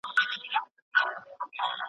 خپل ګودر ورته عادت وي ورښودلی .